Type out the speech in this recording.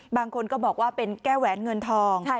บางคนก็บอกว่าเป็นแก้แหวนเงินทอง